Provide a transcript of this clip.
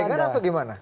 itu goregan atau gimana